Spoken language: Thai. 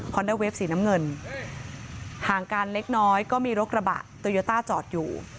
ดาเวฟสีน้ำเงินห่างกันเล็กน้อยก็มีรถกระบะโตโยต้าจอดอยู่